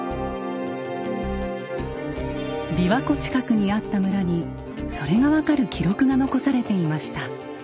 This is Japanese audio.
びわ湖近くにあった村にそれが分かる記録が残されていました。